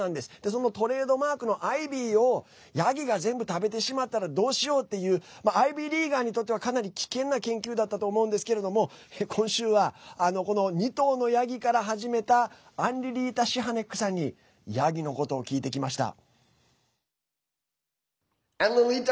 そのトレードマークのアイビーをヤギが全部食べてしまったらどうしようっていうアイビーリーガーにとってはかなり危険な研究だったと思うんですけれども今週は２頭のヤギから始めたアンリリータ・シハネックさんにヤギのことを聞いてきました。